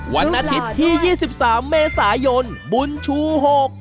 วันอาทิตย์ที่๒๓เมษายนบุญชู๖